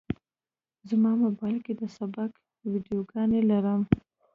زه موبایل کې د سبق ویډیوګانې لرم.